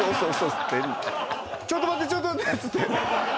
ちょっと待ってちょっと待ってっつって。